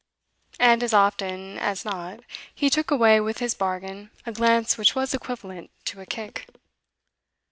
And as often as not he took away with his bargain a glance which was equivalent to a kick.